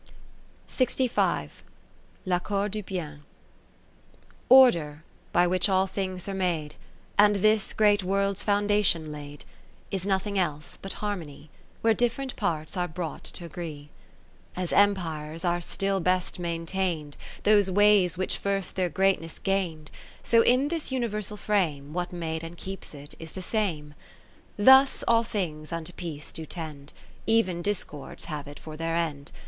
uo L'Accord du Blen Order, by which all things are made, And this great World's foundation laid. Is nothing else but Harmony, Where different parts are brought t' agree. 11 As empires are still best maintain'd Those ways which first their great ness gain'd : So in this universal frame What made and keeps it, is the same. Ill Thus all things unto peace do tend, Even discords have it for their end.